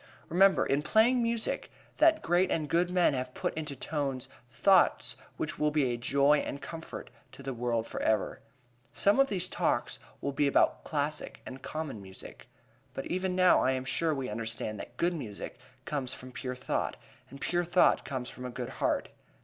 Remember, in playing music, that great and good men have put into tones thoughts which will be a joy and comfort to the world forever. Some one of these Talks will be about classic and common music. But even now I am sure we understand that good music comes from pure thought, and pure thought comes from a good heart.